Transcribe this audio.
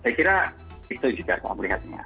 saya kira itu juga saya melihatnya